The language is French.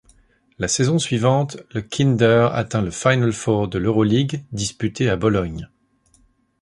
La saison suivante, le Kinder atteint le Final Four de l'Euroligue, disputé à Bologne.